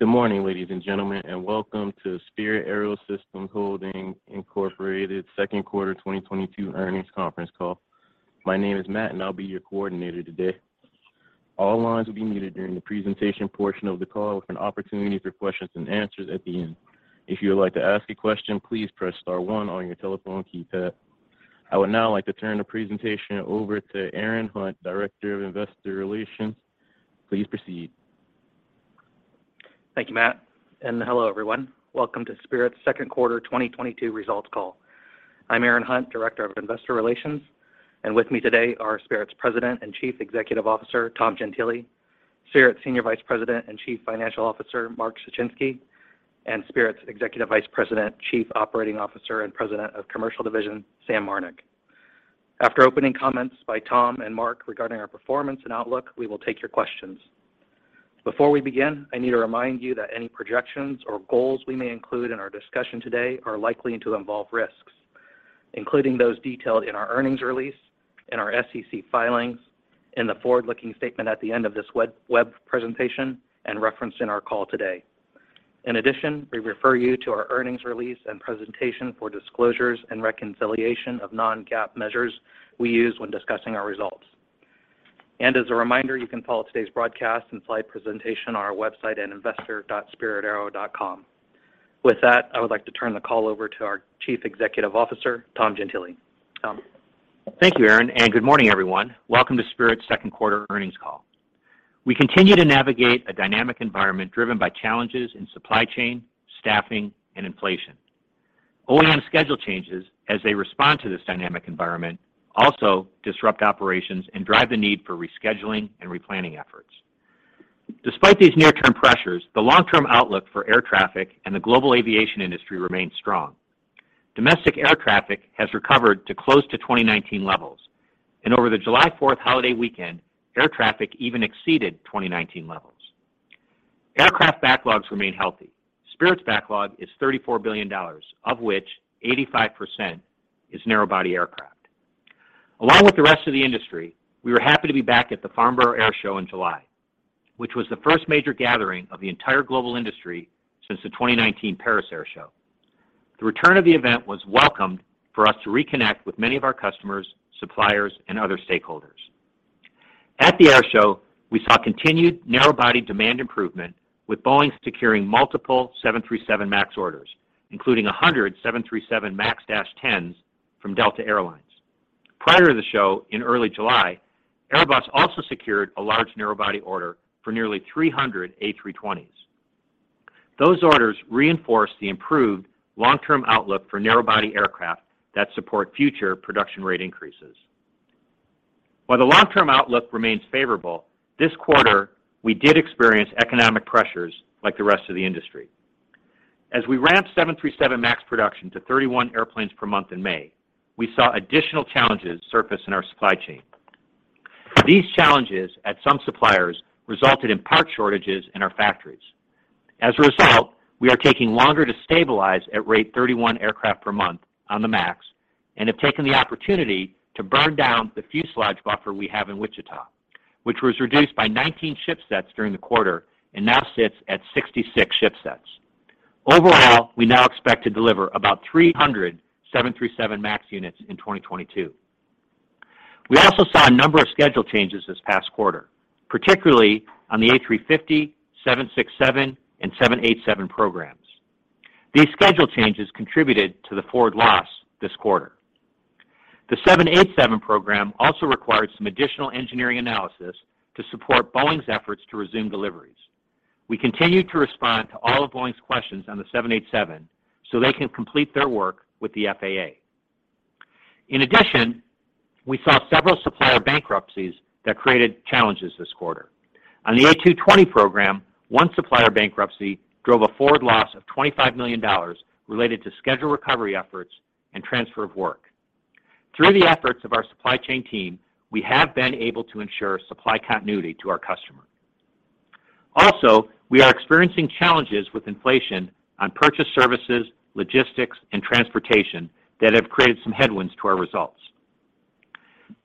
Good morning, ladies and gentlemen, and welcome to Spirit AeroSystems Holdings, Incorporated second quarter 2022 earnings conference call. My name is Matt, and I'll be your coordinator today. All lines will be muted during the presentation portion of the call with an opportunity for questions and answers at the end. If you would like to ask a question, please press star one on your telephone keypad. I would now like to turn the presentation over to Aaron Hunt, Director of Investor Relations. Please proceed. Thank you, Matt, and hello, everyone. Welcome to Spirit's second quarter 2022 results call. I'm Aaron Hunt, Director of Investor Relations, and with me today are Spirit's President and Chief Executive Officer, Tom Gentile, Spirit's Senior Vice President and Chief Financial Officer, Mark Suchinski, and Spirit's Executive Vice President, Chief Operating Officer and President of Commercial Division, Sam Marnick. After opening comments by Tom and Mark regarding our performance and outlook, we will take your questions. Before we begin, I need to remind you that any projections or goals we may include in our discussion today are likely to involve risks, including those detailed in our earnings release, in our SEC filings, in the forward-looking statement at the end of this web presentation and referenced in our call today. In addition, we refer you to our earnings release and presentation for disclosures and reconciliation of non-GAAP measures we use when discussing our results. As a reminder, you can follow today's broadcast and slide presentation on our website at investor.spiritaero.com. With that, I would like to turn the call over to our Chief Executive Officer, Tom Gentile. Tom. Thank you, Aaron, and good morning, everyone. Welcome to Spirit's second quarter earnings call. We continue to navigate a dynamic environment driven by challenges in supply chain, staffing and inflation. OEM schedule changes as they respond to this dynamic environment also disrupt operations and drive the need for rescheduling and replanning efforts. Despite these near-term pressures, the long-term outlook for air traffic and the global aviation industry remains strong. Domestic air traffic has recovered to close to 2019 levels, and over the July 4 holiday weekend, air traffic even exceeded 2019 levels. Aircraft backlogs remain healthy. Spirit's backlog is $34 billion, of which 85% is narrow-body aircraft. Along with the rest of the industry, we were happy to be back at the Farnborough Airshow in July, which was the first major gathering of the entire global industry since the 2019 Paris Air Show. The return of the event was welcomed for us to reconnect with many of our customers, suppliers and other stakeholders. At the air show, we saw continued narrow-body demand improvement, with Boeing securing multiple 737 MAX orders, including 100 737 MAX 10s from Delta Air Lines. Prior to the show, in early July, Airbus also secured a large narrow-body order for nearly 300 A320s. Those orders reinforce the improved long-term outlook for narrow-body aircraft that support future production rate increases. While the long-term outlook remains favorable, this quarter we did experience economic pressures like the rest of the industry. As we ramped 737 MAX production to 31 airplanes per month in May, we saw additional challenges surface in our supply chain. These challenges at some suppliers resulted in part shortages in our factories. As a result, we are taking longer to stabilize at rate 31 aircraft per month on the 737 MAX and have taken the opportunity to burn down the fuselage buffer we have in Wichita, which was reduced by 19 ship sets during the quarter and now sits at 66 ship sets. Overall, we now expect to deliver about 307 737 MAX units in 2022. We also saw a number of schedule changes this past quarter, particularly on the A350, 767 and 787 programs. These schedule changes contributed to the forward loss this quarter. The 787 program also required some additional engineering analysis to support Boeing's efforts to resume deliveries. We continue to respond to all of Boeing's questions on the 787 so they can complete their work with the FAA. In addition, we saw several supplier bankruptcies that created challenges this quarter. On the A220 program, one supplier bankruptcy drove a forward loss of $25 million related to schedule recovery efforts and transfer of work. Through the efforts of our supply chain team, we have been able to ensure supply continuity to our customer. Also, we are experiencing challenges with inflation on purchase services, logistics, and transportation that have created some headwinds to our results.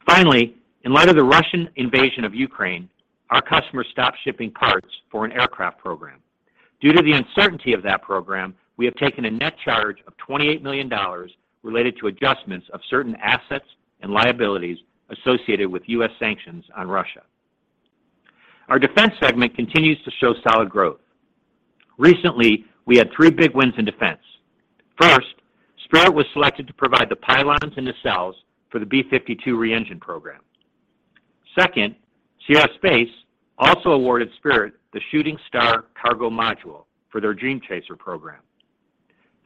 Finally, in light of the Russian invasion of Ukraine, our customers stopped shipping parts for an aircraft program. Due to the uncertainty of that program, we have taken a net charge of $28 million related to adjustments of certain assets and liabilities associated with U.S. sanctions on Russia. Our defense segment continues to show solid growth. Recently, we had three big wins in defense. First, Spirit was selected to provide the pylons and the cells for the B-52 re-engine program. Second, Sierra Space also awarded Spirit the Shooting Star cargo module for their Dream Chaser program.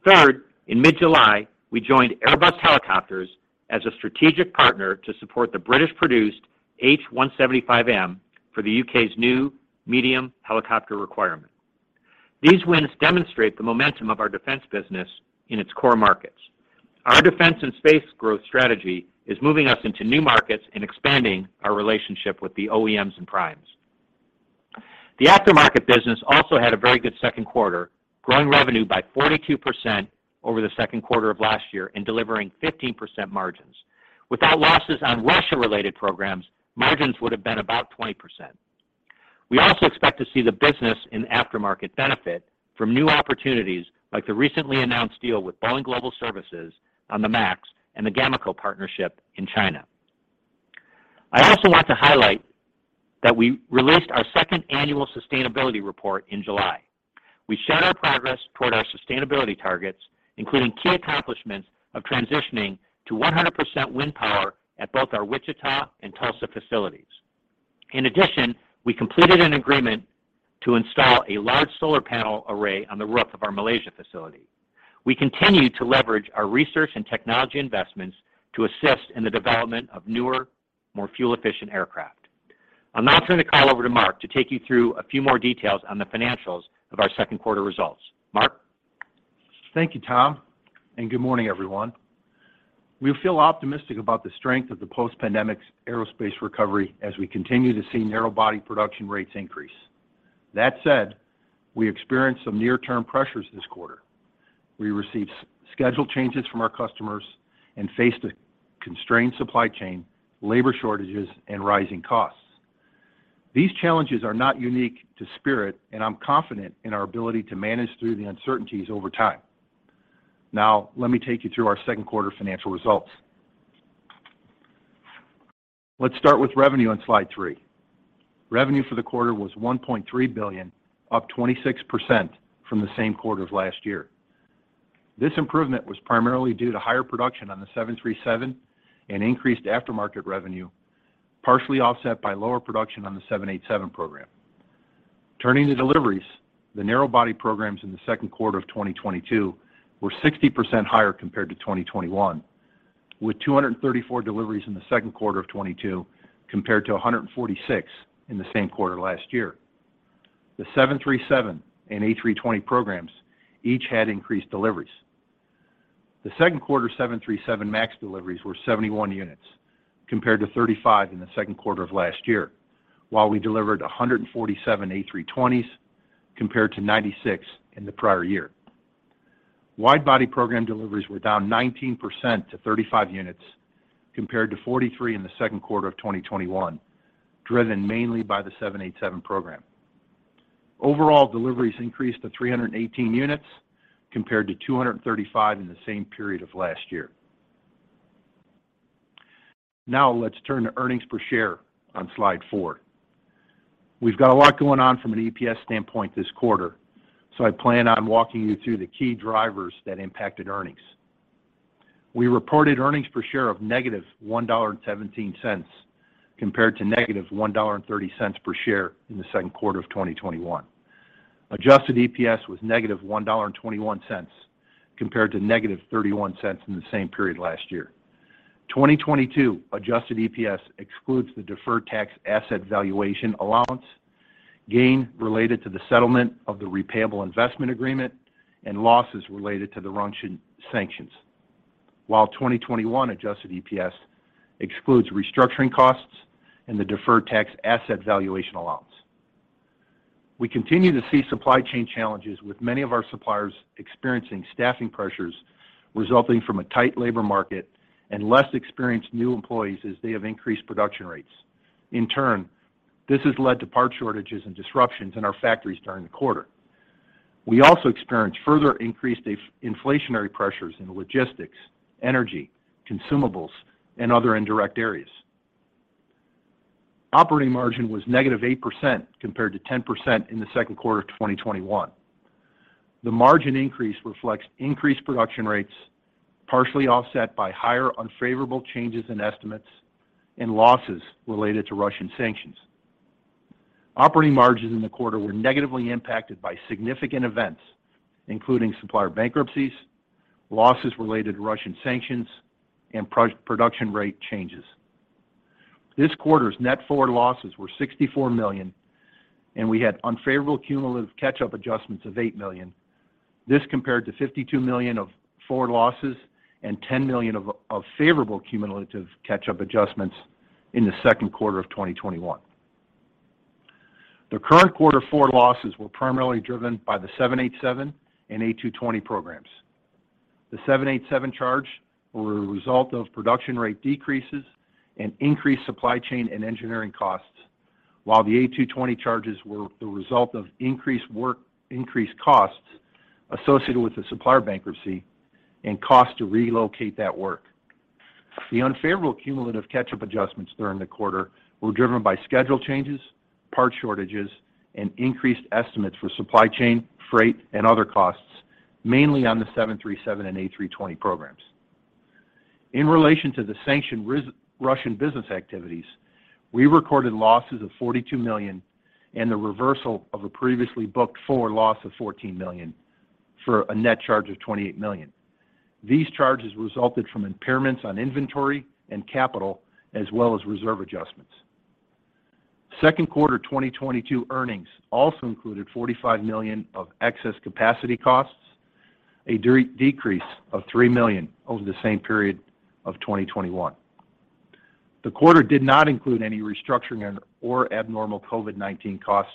Third, in mid-July, we joined Airbus Helicopters as a strategic partner to support the British-produced H175M for the U.K.'s new medium helicopter requirement. These wins demonstrate the momentum of our defense business in its core markets. Our defense and space growth strategy is moving us into new markets and expanding our relationship with the OEMs and primes. The aftermarket business also had a very good second quarter, growing revenue by 42% over the second quarter of last year and delivering 15% margins. Without losses on Russia-related programs, margins would have been about 20%. We also expect to see the business in aftermarket benefit from new opportunities like the recently announced deal with Boeing Global Services on the MAX and the GAMECO partnership in China. I also want to highlight that we released our second annual sustainability report in July. We shared our progress toward our sustainability targets, including key accomplishments of transitioning to 100% wind power at both our Wichita and Tulsa facilities. In addition, we completed an agreement to install a large solar panel array on the roof of our Malaysia facility. We continue to leverage our research and technology investments to assist in the development of newer, more fuel-efficient aircraft. I'll now turn the call over to Mark to take you through a few more details on the financials of our second quarter results. Mark? Thank you, Tom, and good morning, everyone. We feel optimistic about the strength of the post-pandemic aerospace recovery as we continue to see narrow-body production rates increase. That said, we experienced some near-term pressures this quarter. We received schedule changes from our customers and faced a constrained supply chain, labor shortages, and rising costs. These challenges are not unique to Spirit, and I'm confident in our ability to manage through the uncertainties over time. Now, let me take you through our second quarter financial results. Let's start with revenue on slide three. Revenue for the quarter was $1.3 billion, up 26% from the same quarter of last year. This improvement was primarily due to higher production on the 737 and increased aftermarket revenue, partially offset by lower production on the 787 program. Turning to deliveries, the narrow-body programs in the second quarter of 2022 were 60% higher compared to 2021, with 234 deliveries in the second quarter of 2022 compared to 146 in the same quarter last year. The 737 and A320 programs each had increased deliveries. The second quarter 737 MAX deliveries were 71 units compared to 35 in the second quarter of last year, while we delivered 147 A320s compared to 96 in the prior year. Wide-body program deliveries were down 19% to 35 units compared to 43 in the second quarter of 2021, driven mainly by the 787 program. Overall deliveries increased to 318 units compared to 235 in the same period of last year. Now let's turn to earnings per share on slide four. We've got a lot going on from an EPS standpoint this quarter, so I plan on walking you through the key drivers that impacted earnings. We reported earnings per share of -$1.17 compared to -$1.30 per share in the second quarter of 2021. Adjusted EPS was -$1.21 compared to -$0.31 in the same period last year. 2022 adjusted EPS excludes the deferred tax asset valuation allowance, gain related to the settlement of the repayable investment agreement, and losses related to the Russian sanctions. While 2021 adjusted EPS excludes restructuring costs and the deferred tax asset valuation allowance. We continue to see supply chain challenges with many of our suppliers experiencing staffing pressures resulting from a tight labor market and less experienced new employees as they have increased production rates. In turn, this has led to part shortages and disruptions in our factories during the quarter. We also experienced further increased inflationary pressures in logistics, energy, consumables, and other indirect areas. Operating margin was negative 8% compared to 10% in the second quarter of 2021. The margin increase reflects increased production rates partially offset by higher unfavorable changes in estimates and losses related to Russian sanctions. Operating margins in the quarter were negatively impacted by significant events, including supplier bankruptcies, losses related to Russian sanctions, and production rate changes. This quarter's net forward losses were $64 million, and we had unfavorable cumulative catch-up adjustments of $8 million. This compared to $52 million of forward losses and $10 million of favorable cumulative catch-up adjustments in the second quarter of 2021. The current quarter forward losses were primarily driven by the 787 and A220 programs. The 787 charges were a result of production rate decreases and increased supply chain and engineering costs, while the A220 charges were the result of increased work, increased costs associated with the supplier bankruptcy and cost to relocate that work. The unfavorable cumulative catch-up adjustments during the quarter were driven by schedule changes, part shortages, and increased estimates for supply chain, freight, and other costs, mainly on the 737 and A320 programs. In relation to the sanctioned Russian business activities, we recorded losses of $42 million and the reversal of a previously booked forward loss of $14 million for a net charge of $28 million. These charges resulted from impairments on inventory and capital as well as reserve adjustments. Second quarter 2022 earnings also included $45 million of excess capacity costs, a decrease of $3 million over the same period of 2021. The quarter did not include any restructuring and/or abnormal COVID-19 costs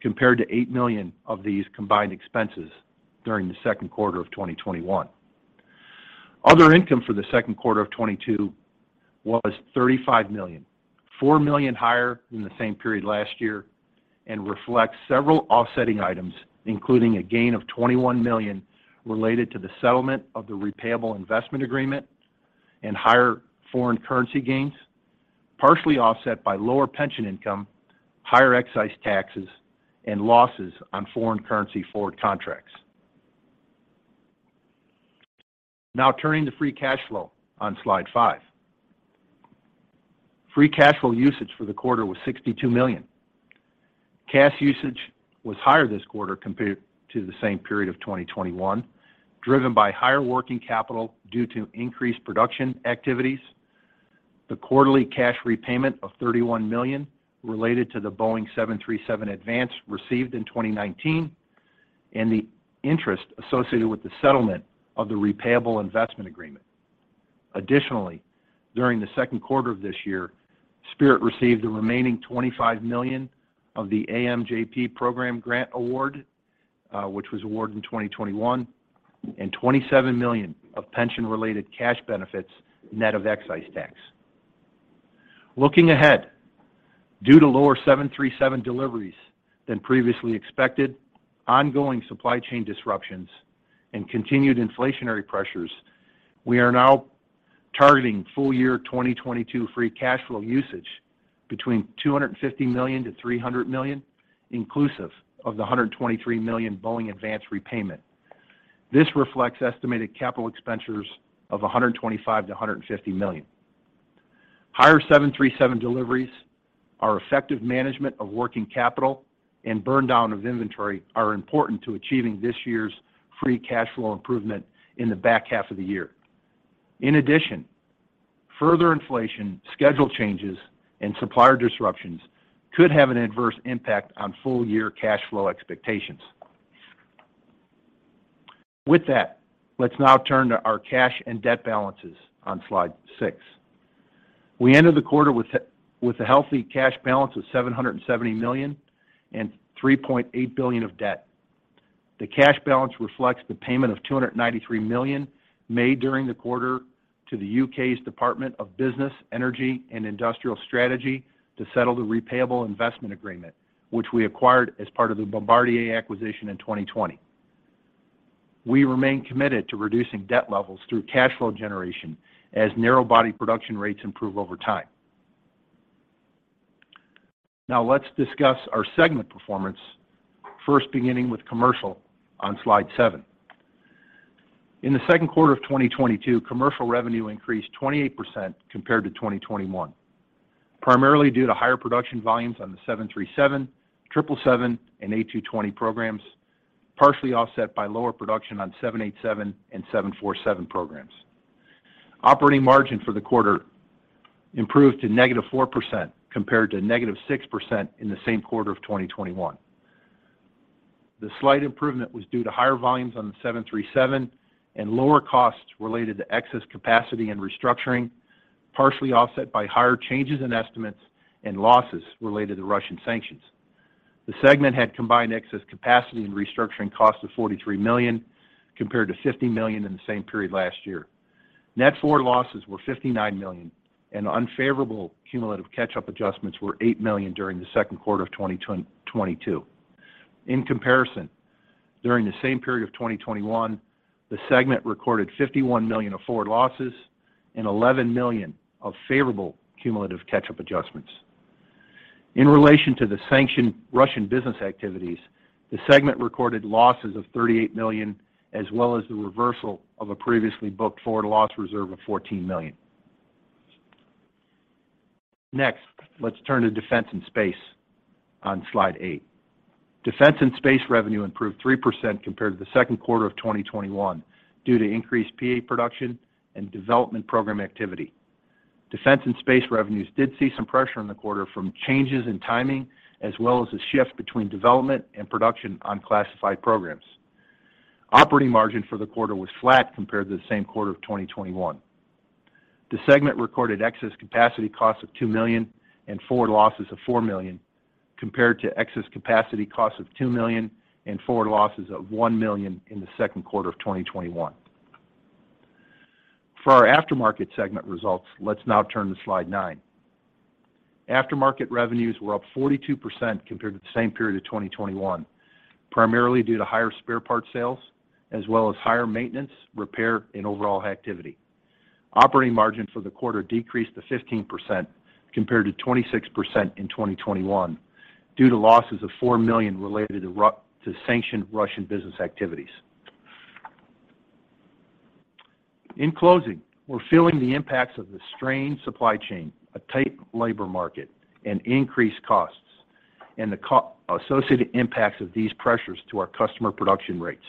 compared to $8 million of these combined expenses during the second quarter of 2021. Other income for the second quarter of 2022 was $35 million, $4 million higher than the same period last year and reflects several offsetting items, including a gain of $21 million related to the settlement of the repayable investment agreement and higher foreign currency gains, partially offset by lower pension income, higher excise taxes, and losses on foreign currency forward contracts. Now turning to free cash flow on slide five. Free cash flow usage for the quarter was $62 million. Cash usage was higher this quarter compared to the same period of 2021, driven by higher working capital due to increased production activities, the quarterly cash repayment of $31 million related to the Boeing 737 advance received in 2019, and the interest associated with the settlement of the repayable investment agreement. Additionally, during the second quarter of this year, Spirit received the remaining $25 million of the AMJP program grant award, which was awarded in 2021, and $27 million of pension-related cash benefits net of excise tax. Looking ahead, due to lower 737 deliveries than previously expected, ongoing supply chain disruptions, and continued inflationary pressures, we are now targeting full year 2022 free cash flow usage between $250 million-$300 million, inclusive of the $123 million Boeing advance repayment. This reflects estimated capital expenditures of $125 million-$150 million. Higher 737 deliveries, our effective management of working capital, and burn down of inventory are important to achieving this year's free cash flow improvement in the back half of the year. In addition, further inflation, schedule changes, and supplier disruptions could have an adverse impact on full year cash flow expectations. With that, let's now turn to our cash and debt balances on slide six. We ended the quarter with a healthy cash balance of $770 million and $3.8 billion of debt. The cash balance reflects the payment of 293 million made during the quarter to the U.K.'s Department for Business, Energy and Industrial Strategy to settle the repayable investment agreement which we acquired as part of the Bombardier acquisition in 2020. We remain committed to reducing debt levels through cash flow generation as narrow-body production rates improve over time. Now let's discuss our segment performance, first beginning with commercial on slide seven. In the second quarter of 2022, commercial revenue increased 28% compared to 2021, primarily due to higher production volumes on the 737, 777, and A220 programs, partially offset by lower production on 787 and 747 programs. Operating margin for the quarter improved to -4% compared to -6% in the same quarter of 2021. The slight improvement was due to higher volumes on the 737 and lower costs related to excess capacity and restructuring, partially offset by higher changes in estimates and losses related to Russian sanctions. The segment had combined excess capacity and restructuring costs of $43 million compared to $50 million in the same period last year. Net forward losses were $59 million and unfavorable cumulative catch-up adjustments were $8 million during the second quarter of 2022. In comparison, during the same period of 2021, the segment recorded $51 million of forward losses and $11 million of favorable cumulative catch-up adjustments. In relation to the sanctioned Russian business activities, the segment recorded losses of $38 million as well as the reversal of a previously booked forward loss reserve of $14 million. Next, let's turn to defense and space on slide eight. Defense and space revenue improved 3% compared to the second quarter of 2021 due to increased PA production and development program activity. Defense and space revenues did see some pressure in the quarter from changes in timing as well as a shift between development and production on classified programs. Operating margin for the quarter was flat compared to the same quarter of 2021. The segment recorded excess capacity costs of $2 million and forward losses of $4 million compared to excess capacity costs of $2 million and forward losses of $1 million in the second quarter of 2021. For our aftermarket segment results, let's now turn to slide nine. Aftermarket revenues were up 42% compared to the same period of 2021, primarily due to higher spare parts sales as well as higher maintenance, repair, and overall activity. Operating margin for the quarter decreased to 15% compared to 26% in 2021 due to losses of $4 million related to sanctioned Russian business activities. In closing, we're feeling the impacts of the strained supply chain, a tight labor market, and increased costs, and the associated impacts of these pressures to our customer production rates.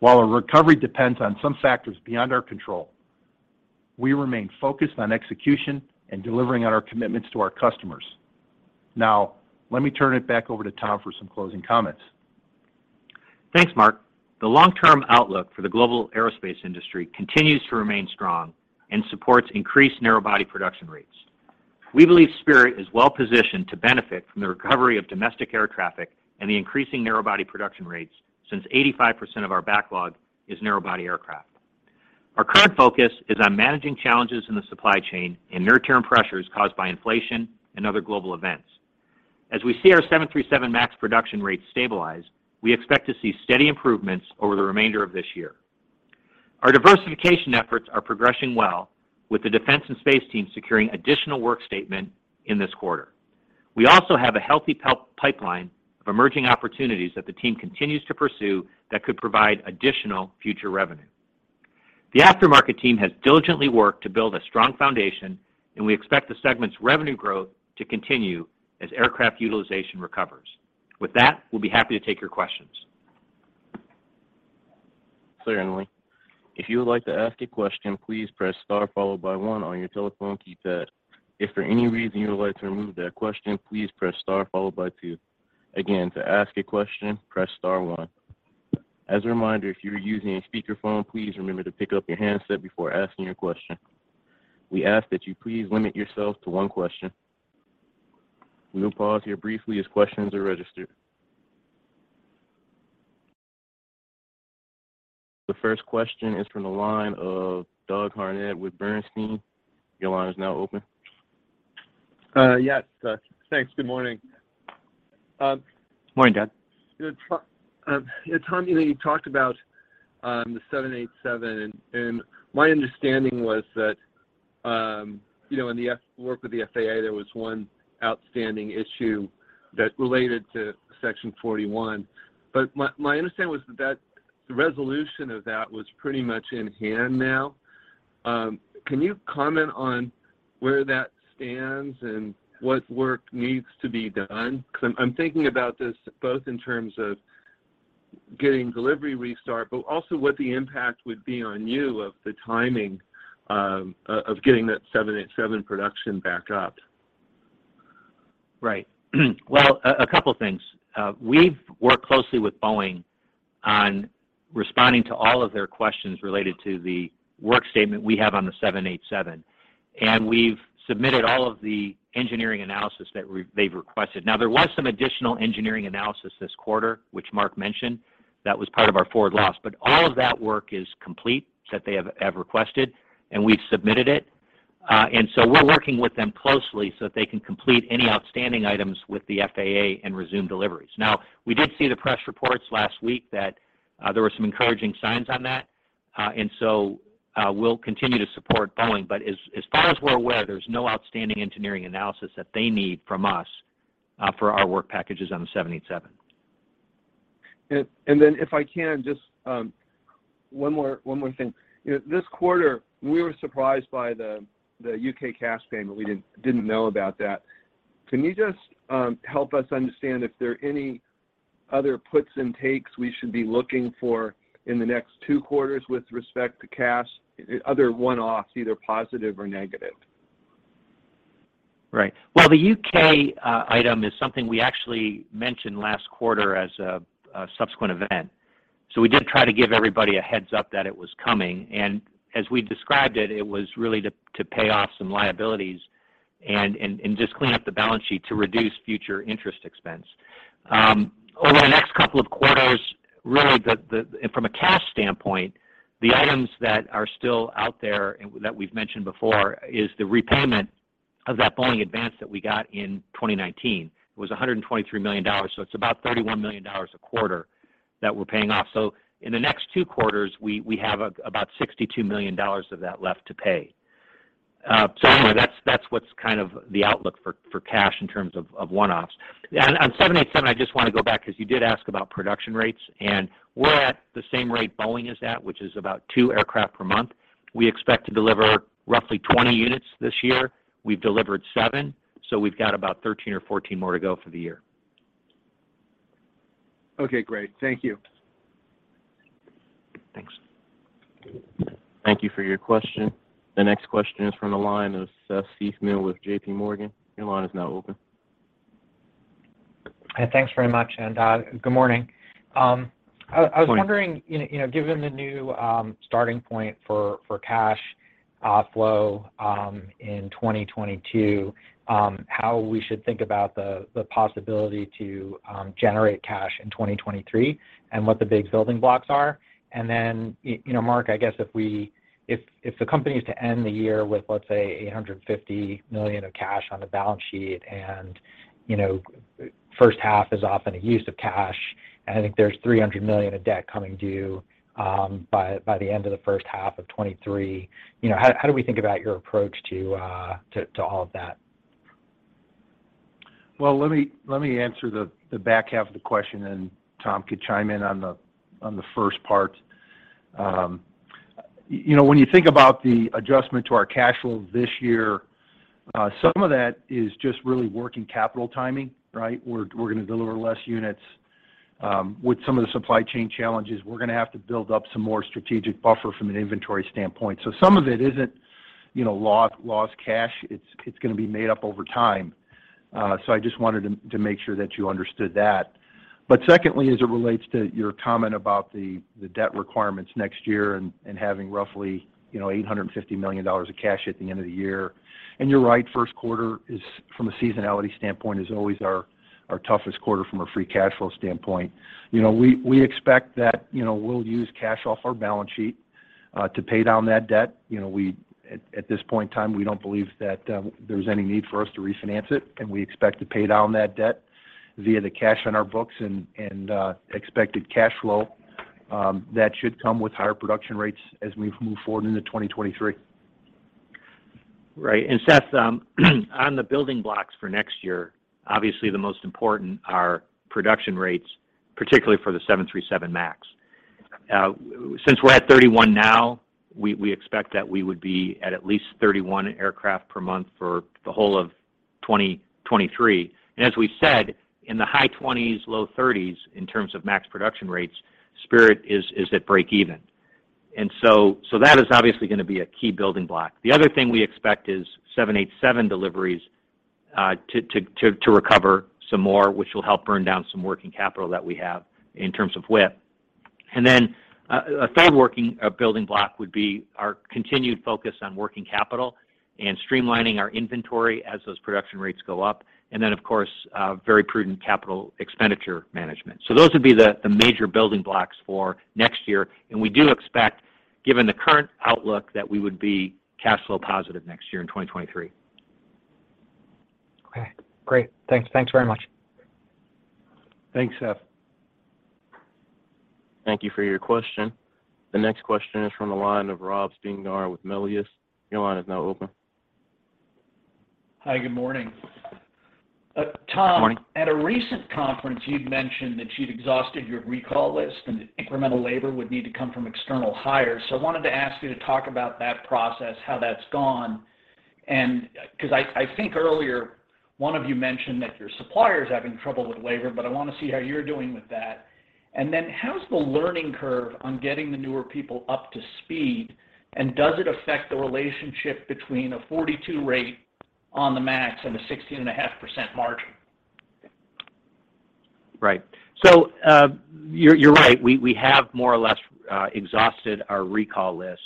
While a recovery depends on some factors beyond our control, we remain focused on execution and delivering on our commitments to our customers. Now, let me turn it back over to Tom for some closing comments. Thanks, Mark. The long-term outlook for the global aerospace industry continues to remain strong and supports increased narrow body production rates. We believe Spirit is well-positioned to benefit from the recovery of domestic air traffic and the increasing narrow body production rates since 85% of our backlog is narrow body aircraft. Our current focus is on managing challenges in the supply chain and near-term pressures caused by inflation and other global events. As we see our 737 MAX production rates stabilize, we expect to see steady improvements over the remainder of this year. Our diversification efforts are progressing well with the defense and space team securing additional work statement in this quarter. We also have a healthy pipeline of emerging opportunities that the team continues to pursue that could provide additional future revenue. The aftermarket team has diligently worked to build a strong foundation, and we expect the segment's revenue growth to continue as aircraft utilization recovers. With that, we'll be happy to take your questions. Certainly. If you would like to ask a question, please press star followed by one on your telephone key pad. If for any reason you would like to remove that question, please press star followed by two. Again, to ask a question, press star one. As a reminder, if you are using a speakerphone, please remember to pick up your handset before asking your question. We ask that you please limit yourself to one question. We will pause here briefly as questions are registered. The first question is from the line of Doug Harned with Bernstein. Your line is now open. Yes. Thanks. Good morning. Morning, Doug. Tom, you know, you talked about the 787, and my understanding was that, you know, in the work with the FAA, there was one outstanding issue that related to Section 41. My understanding was that the resolution of that was pretty much in hand now. Can you comment on where that stands and what work needs to be done? Because I'm thinking about this both in terms of getting delivery restart, but also what the impact would be on you of the timing of getting that 787 production back up. Right. Well, a couple things. We've worked closely with Boeing on responding to all of their questions related to the work statement we have on the 787, and we've submitted all of the engineering analysis that they've requested. Now, there was some additional engineering analysis this quarter, which Mark mentioned, that was part of our forward loss. All of that work is complete that they have requested, and we've submitted it. We're working with them closely so that they can complete any outstanding items with the FAA and resume deliveries. Now, we did see the press reports last week that there were some encouraging signs on that. We'll continue to support Boeing. As far as we're aware, there's no outstanding engineering analysis that they need from us for our work packages on the 787. if I can, just one more thing. You know, this quarter, we were surprised by the U.K. cash payment. We didn't know about that. Can you just help us understand if there are any other puts and takes we should be looking for in the next two quarters with respect to cash, other one-offs, either positive or negative? Right. Well, the U.K. item is something we actually mentioned last quarter as a subsequent event. We did try to give everybody a heads-up that it was coming, and as we described it was really to pay off some liabilities and just clean up the balance sheet to reduce future interest expense. Over the next couple of quarters, really, and from a cash standpoint, the items that are still out there that we've mentioned before is the repayment of that Boeing advance that we got in 2019. It was $123 million, so it's about $31 million a quarter that we're paying off. In the next two quarters, we have about $62 million of that left to pay. Anyway, that's what's kind of the outlook for cash in terms of one-offs. On 787, I just wanna go back, 'cause you did ask about production rates, and we're at the same rate Boeing is at, which is about two aircraft per month. We expect to deliver roughly 20 units this year. We've delivered seven, so we've got about 13 or 14 more to go for the year. Okay, great. Thank you. Thanks. Thank you for your question. The next question is from the line of Seth Seifman with JPMorgan. Your line is now open. Thanks very much, and good morning. I was wondering- Morning. You know, given the new starting point for cash flow in 2022, how we should think about the possibility to generate cash in 2023 and what the big building blocks are. You know, Mark, I guess if the company is to end the year with, let's say, $850 million of cash on the balance sheet, and, you know, first half is often a use of cash, and I think there's $300 million of debt coming due by the end of the first half of 2023, you know, how do we think about your approach to all of that? Well, let me answer the back half of the question, and Tom could chime in on the first part. You know, when you think about the adjustment to our cash flow this year, some of that is just really working capital timing, right? We're gonna deliver less units. With some of the supply chain challenges, we're gonna have to build up some more strategic buffer from an inventory standpoint. Some of it isn't, you know, lost cash. It's gonna be made up over time. I just wanted to make sure that you understood that. Secondly, as it relates to your comment about the debt requirements next year and having roughly, you know, $850 million of cash at the end of the year, and you're right, first quarter is from a seasonality standpoint, is always our toughest quarter from a free cash flow standpoint. You know, we expect that, you know, we'll use cash off our balance sheet to pay down that debt. You know, at this point in time, we don't believe that there's any need for us to refinance it, and we expect to pay down that debt via the cash on our books and expected cash flow that should come with higher production rates as we move forward into 2023. Right. Seth, on the building blocks for next year, obviously the most important are production rates, particularly for the 737 MAX. Since we're at 31 now, we expect that we would be at least 31 aircraft per month for the whole of 2023. As we said, in the high 20s, low 30s in terms of MAX production rates, Spirit is at breakeven. That is obviously gonna be a key building block. The other thing we expect is 787 deliveries to recover some more, which will help burn down some working capital that we have in terms of WIP. A third working building block would be our continued focus on working capital and streamlining our inventory as those production rates go up. Of course, very prudent capital expenditure management. Those would be the major building blocks for next year. We do expect, given the current outlook, that we would be cash flow positive next year in 2023. Okay. Great. Thanks. Thanks very much. Thanks, Seth. Thank you for your question. The next question is from the line of Rob Stallard with Melius. Your line is now open. Hi, good morning. Good morning. Tom, at a recent conference, you'd mentioned that you'd exhausted your recall list, and incremental labor would need to come from external hires. I wanted to ask you to talk about that process, how that's gone. 'Cause I think earlier one of you mentioned that your suppliers are having trouble with labor, but I want to see how you're doing with that. Then how's the learning curve on getting the newer people up to speed, and does it affect the relationship between a 42 rate on the MAX and a 16.5% margin? Right. You're right. We have more or less exhausted our recall list.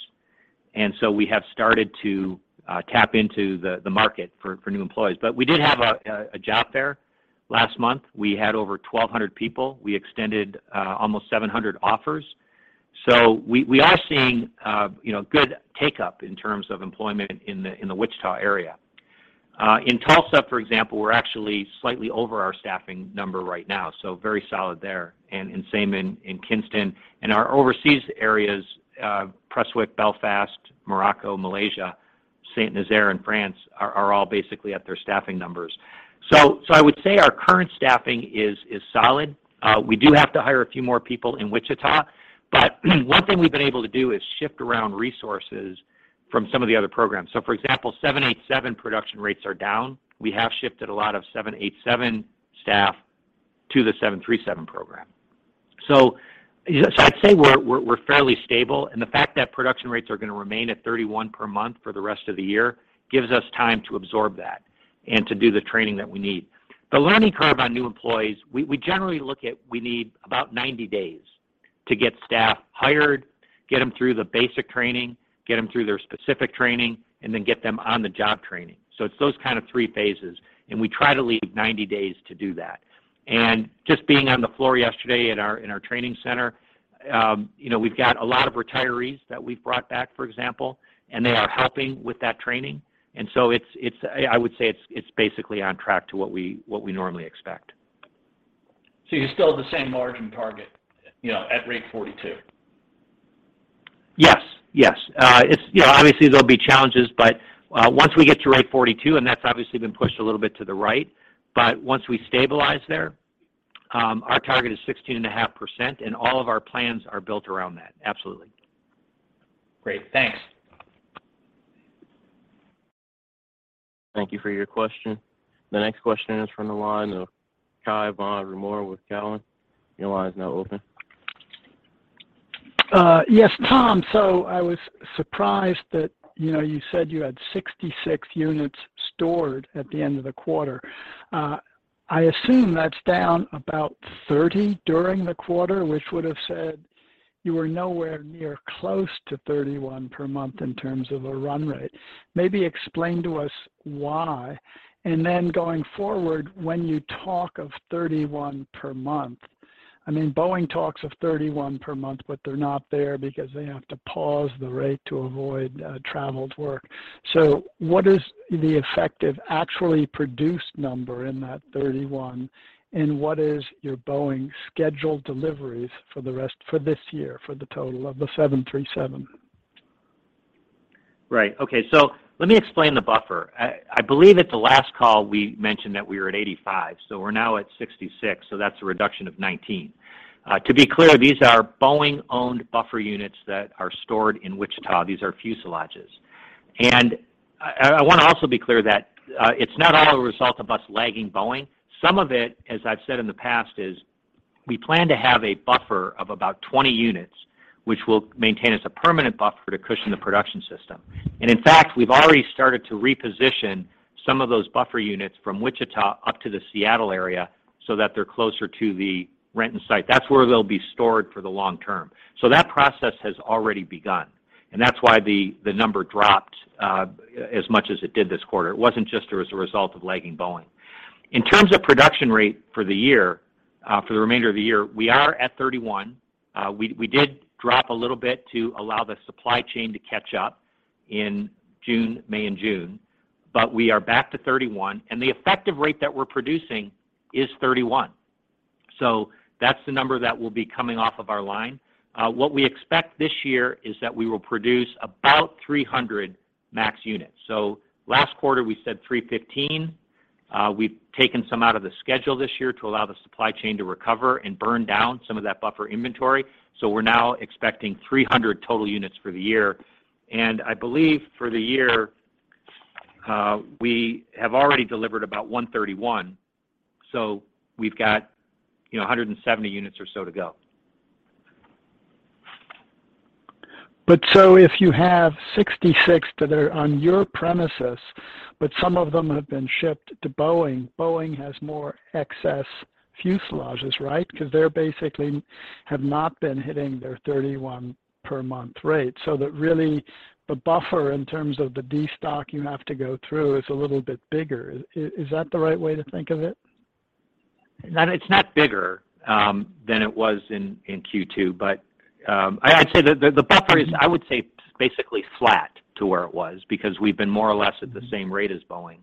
We have started to tap into the market for new employees. We did have a job fair last month. We had over 1,200 people. We extended almost 700 offers. We are seeing, you know, good take-up in terms of employment in the Wichita area. In Tulsa, for example, we're actually slightly over our staffing number right now, so very solid there. Same in Kinston. In our overseas areas, Prestwick, Belfast, Morocco, Malaysia, Saint-Nazaire in France, are all basically at their staffing numbers. I would say our current staffing is solid. We do have to hire a few more people in Wichita, but one thing we've been able to do is shift around resources from some of the other programs. For example, 787 production rates are down. We have shifted a lot of 787 staff to the 737 program. So I'd say we're fairly stable, and the fact that production rates are going to remain at 31 per month for the rest of the year gives us time to absorb that and to do the training that we need. The learning curve on new employees, we generally look at, we need about 90 days to get staff hired, get them through the basic training, get them through their specific training, and then get them on-the-job training. It's those kind of three phases, and we try to leave 90 days to do that. Just being on the floor yesterday at our training center, you know, we've got a lot of retirees that we've brought back, for example, and they are helping with that training. It's basically on track to what we normally expect. You're still at the same margin target, you know, at rate 42%? Yes. Yes. It's you know, obviously there'll be challenges, but once we get to rate 42%, and that's obviously been pushed a little bit to the right, but once we stabilize there, our target is 16.5%, and all of our plans are built around that. Absolutely. Great. Thanks. Thank you for your question. The next question is from the line of Cai von Rumohr with Cowen. Your line is now open. Yes, Tom, so I was surprised that, you know, you said you had 66 units stored at the end of the quarter. I assume that's down about 30 during the quarter, which would have said you were nowhere near close to 31 per month in terms of a run rate. Maybe explain to us why. Going forward, when you talk of 31 per month, I mean, Boeing talks of 31 per month, but they're not there because they have to pause the rate to avoid traveled work. What is the effective actually produced number in that 31, and what is your Boeing scheduled deliveries for the rest of this year, for the total of the 737? Right. Okay. Let me explain the buffer. I believe at the last call we mentioned that we were at 85, so we're now at 66, so that's a reduction of 19. To be clear, these are Boeing-owned buffer units that are stored in Wichita. These are fuselages. I wanna also be clear that it's not all a result of us lagging Boeing. Some of it, as I've said in the past, is we plan to have a buffer of about 20 units which we'll maintain as a permanent buffer to cushion the production system. In fact, we've already started to reposition some of those buffer units from Wichita up to the Seattle area so that they're closer to the Renton site. That's where they'll be stored for the long term. That process has already begun, and that's why the number dropped as much as it did this quarter. It wasn't just as a result of lagging Boeing. In terms of production rate for the year, for the remainder of the year, we are at 31. We did drop a little bit to allow the supply chain to catch up in May and June, but we are back to 31, and the effective rate that we're producing is 31. That's the number that will be coming off of our line. What we expect this year is that we will produce about 300 MAX units. Last quarter, we said 315. We've taken some out of the schedule this year to allow the supply chain to recover and burn down some of that buffer inventory. We're now expecting 300 total units for the year. I believe for the year, we have already delivered about 131, so we've got, you know, 170 units or so to go. If you have 66 that are on your premises, but some of them have been shipped to Boeing has more excess fuselages, right? Because they basically have not been hitting their 31 per month rate. That really the buffer in terms of the destock you have to go through is a little bit bigger. Is that the right way to think of it? It's not bigger than it was in Q2. I'd say the buffer is, I would say, basically flat to where it was because we've been more or less at the same rate as Boeing.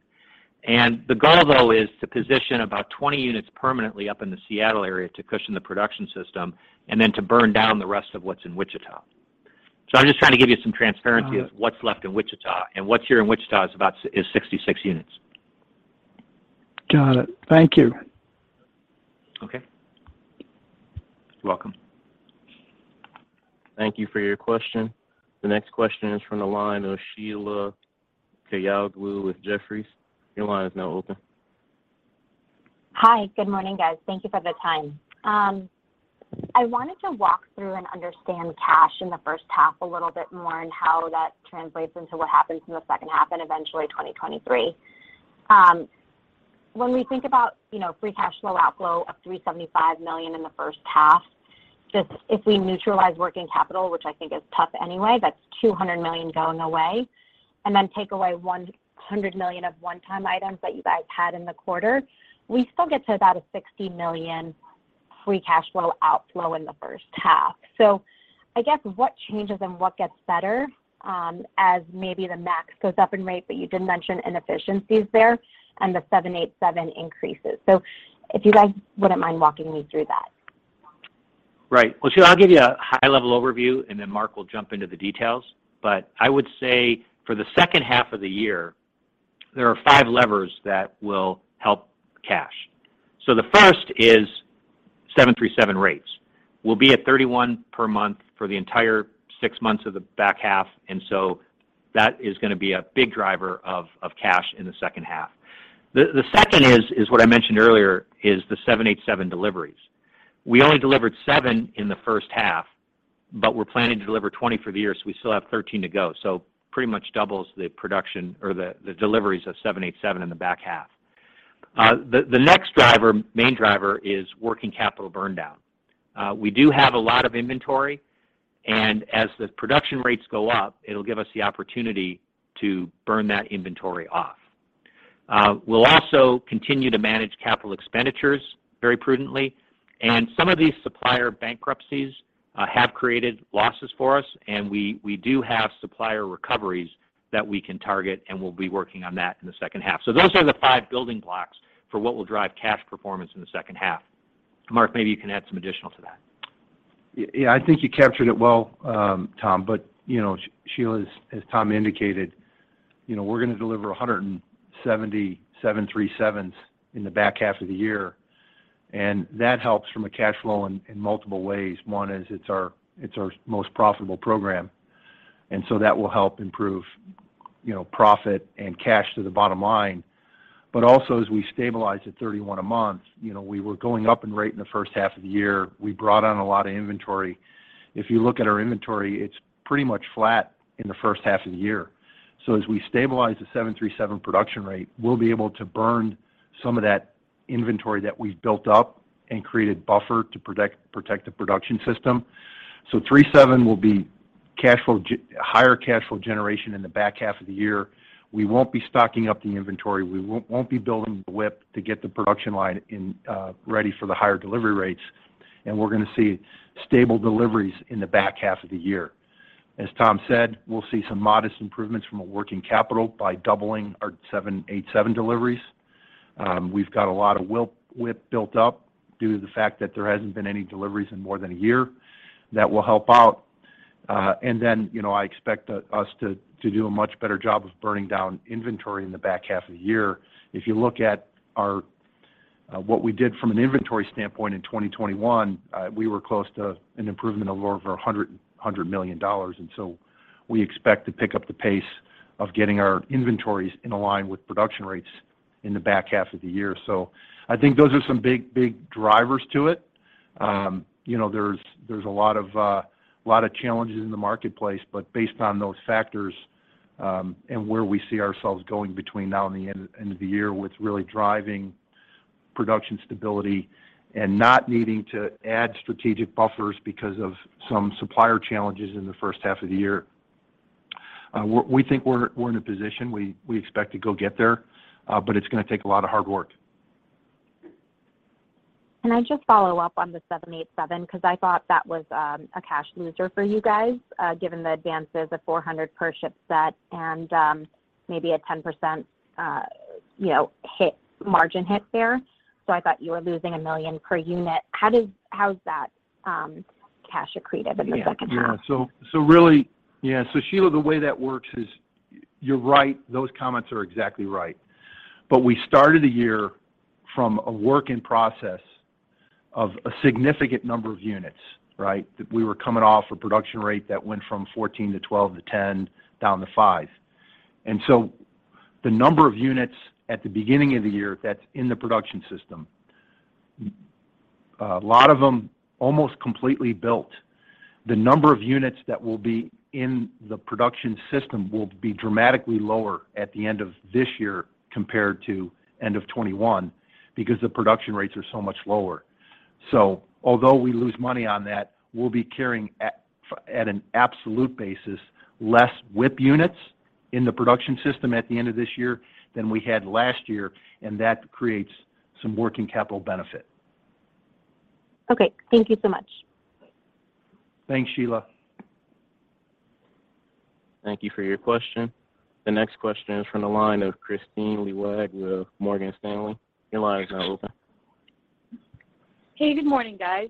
The goal, though, is to position about 20 units permanently up in the Seattle area to cushion the production system and then to burn down the rest of what's in Wichita. I'm just trying to give you some transparency of what's left in Wichita, and what's here in Wichita is about 66 units. Got it. Thank you. Okay. You're welcome. Thank you for your question. The next question is from the line of Sheila Kahyaoglu with Jefferies. Your line is now open. Hi. Good morning, guys. Thank you for the time. I wanted to walk through and understand cash in the first half a little bit more and how that translates into what happens in the second half and eventually 2023. When we think about, you know, free cash flow outflow of $375 million in the first half, just if we neutralize working capital, which I think is tough anyway, that's $200 million going away. Then take away $100 million of one-time items that you guys had in the quarter, we still get to about a $60 million free cash flow outflow in the first half. I guess what changes and what gets better, as maybe the MAX goes up in rate, but you did mention inefficiencies there and the 787 increases. If you guys wouldn't mind walking me through that. Right. Well, Sheila, I'll give you a high-level overview, and then Mark will jump into the details. I would say for the second half of the year, there are five levers that will help cash. The first is 737 rates. We'll be at 31 per month for the entire six months of the back half, and that is gonna be a big driver of cash in the second half. The second is what I mentioned earlier, the 787 deliveries. We only delivered seven in the first half, but we're planning to deliver 20 for the year, so we still have 13 to go. Pretty much doubles the production or the deliveries of 787 in the back half. The next driver, main driver is working capital burndown. We do have a lot of inventory, and as the production rates go up, it'll give us the opportunity to burn that inventory off. We'll also continue to manage capital expenditures very prudently, and some of these supplier bankruptcies have created losses for us, and we do have supplier recoveries that we can target, and we'll be working on that in the second half. Those are the five building blocks for what will drive cash performance in the second half. Mark, maybe you can add some additional to that. Yeah, I think you captured it well, Tom. You know, Sheila, as Tom indicated, you know, we're gonna deliver 177 777s in the back half of the year, and that helps from a cash flow in multiple ways. One is it's our most profitable program, and so that will help improve, you know, profit and cash to the bottom line. Also, as we stabilize at 31 a month, you know, we were going up in rate in the first half of the year. We brought on a lot of inventory. If you look at our inventory, it's pretty much flat in the first half of the year. As we stabilize the 737 production rate, we'll be able to burn some of that inventory that we've built up and created buffer to protect the production system. 737 will be cash flow higher cash flow generation in the back half of the year. We won't be stocking up the inventory. We won't be building the WIP to get the production line in ready for the higher delivery rates, and we're gonna see stable deliveries in the back half of the year. As Tom said, we'll see some modest improvements from a working capital by doubling our 787 deliveries. We've got a lot of WIP built up due to the fact that there hasn't been any deliveries in more than a year. That will help out. You know, I expect us to do a much better job of burning down inventory in the back half of the year. If you look at our what we did from an inventory standpoint in 2021, we were close to an improvement of over $100 million. We expect to pick up the pace of getting our inventories in line with production rates in the back half of the year. I think those are some big drivers to it. You know, there's a lot of challenges in the marketplace, but based on those factors, and where we see ourselves going between now and the end of the year, what's really driving production stability and not needing to add strategic buffers because of some supplier challenges in the first half of the year. We think we're in a position. We expect to go get there, but it's gonna take a lot of hard work. Can I just follow up on the 787? 'Cause I thought that was a cash loser for you guys, given the advances of $400 per ship set and maybe a 10%, you know, margin hit there. So I thought you were losing $1 million per unit. How's that cash accretive in the second half? Yeah. So Sheila, the way that works is, you're right, those comments are exactly right. We started the year from a work in process of a significant number of units, right? That we were coming off a production rate that went from 14% to 12% to 10% down to 5%. The number of units at the beginning of the year that's in the production system, a lot of them almost completely built. The number of units that will be in the production system will be dramatically lower at the end of this year compared to end of 2021 because the production rates are so much lower. Although we lose money on that, we'll be carrying at an absolute basis less WIP units in the production system at the end of this year than we had last year, and that creates some working capital benefit. Okay. Thank you so much. Thanks, Sheila. Thank you for your question. The next question is from the line of Kristine Liwag of Morgan Stanley. Your line is now open. Hey, good morning, guys.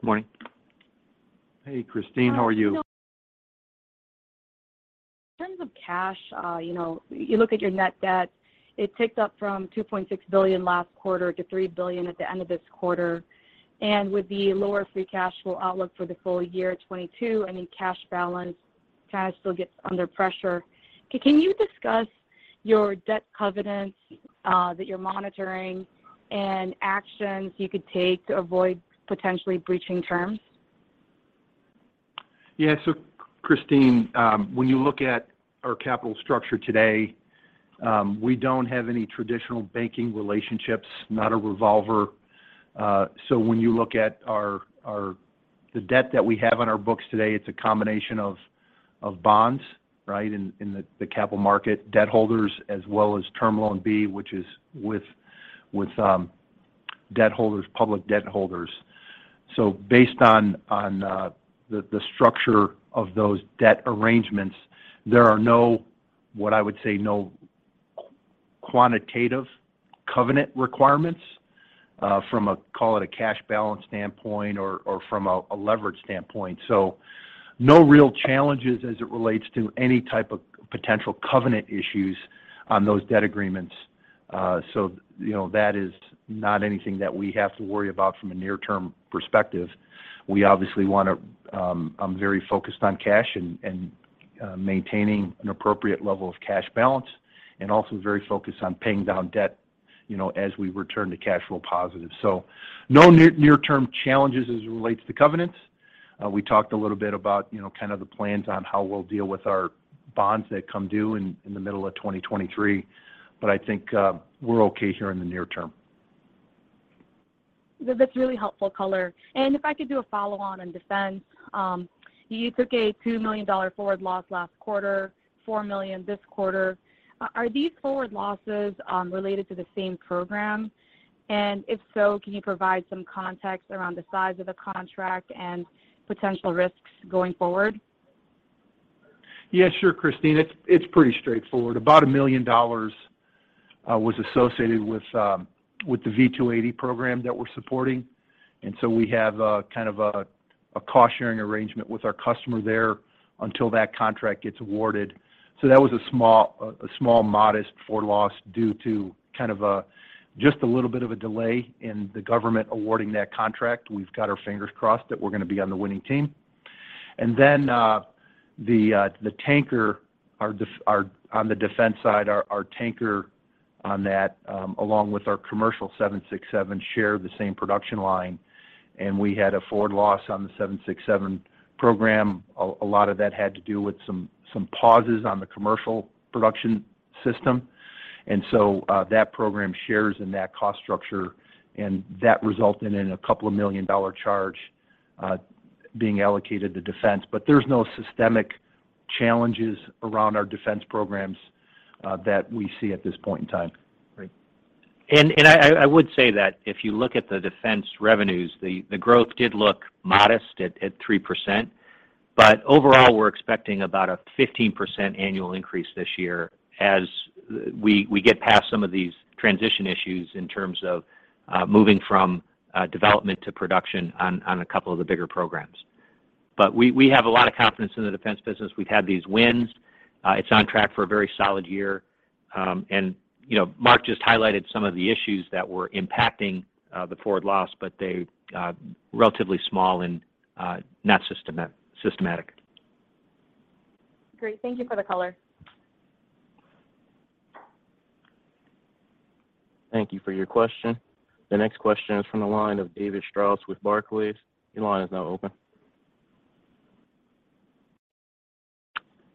Morning. Hey, Kristine. How are you? In terms of cash, you know, you look at your net debt, it ticked up from $2.6 billion last quarter to $3 billion at the end of this quarter. With the lower free cash flow outlook for the full year 2022 and in cash balance, cash still gets under pressure. Can you discuss your debt covenants that you're monitoring and actions you could take to avoid potentially breaching terms? Yeah. Kristine, when you look at our capital structure today, we don't have any traditional banking relationships, not a revolver. When you look at the debt that we have on our books today, it's a combination of bonds, right, in the capital market, debt holders as well as Term Loan B, which is with debt holders, public debt holders. Based on the structure of those debt arrangements, there are no, what I would say, quantitative covenant requirements from a call it cash balance standpoint or from a leverage standpoint. No real challenges as it relates to any type of potential covenant issues on those debt agreements. You know, that is not anything that we have to worry about from a near-term perspective. We obviously want to be very focused on cash and maintaining an appropriate level of cash balance, and also very focused on paying down debt, you know, as we return to cash flow positive. No near-term challenges as it relates to covenants. We talked a little bit about, you know, kind of the plans on how we'll deal with our bonds that come due in the middle of 2023, but I think we're okay here in the near term. That's really helpful color. If I could do a follow on in defense, you took a $2 million forward loss last quarter, $4 million this quarter. Are these forward losses related to the same program? If so, can you provide some context around the size of the contract and potential risks going forward? Yeah, sure, Kristine Liwag. It's pretty straightforward. About $1 million was associated with the V-280 program that we're supporting. We have a kind of a cost-sharing arrangement with our customer there until that contract gets awarded. That was a small modest forward loss due to kind of a just a little bit of a delay in the government awarding that contract. We've got our fingers crossed that we're gonna be on the winning team. The tanker on the defense side, our tanker on that along with our commercial 767 share the same production line, and we had a forward loss on the 767 program. A lot of that had to do with some pauses on the commercial production system. That program shares in that cost structure, and that resulted in a $2 million charge being allocated to defense. There's no systemic challenges around our defense programs that we see at this point in time. Right. I would say that if you look at the defense revenues, the growth did look modest at 3%. But overall, we're expecting about a 15% annual increase this year as we get past some of these transition issues in terms of moving from development to production on a couple of the bigger programs. But we have a lot of confidence in the defense business. We've had these wins. It's on track for a very solid year. And you know, Mark just highlighted some of the issues that were impacting the forward loss, but they're relatively small and not systematic. Great. Thank you for the color. Thank you for your question. The next question is from the line of David Strauss with Barclays. Your line is now open.